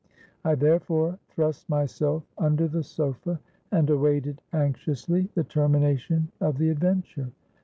I therefore thrust myself under the sofa, and awaited anxiously the termination of the adventure.